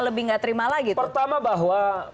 lebih nggak terima lagi pertama bahwa